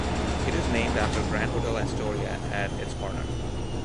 It is named after Grand Hotel Astoria at its corner.